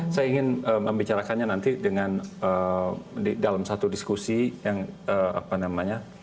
saya ingin membicarakannya nanti dengan dalam satu diskusi yang apa namanya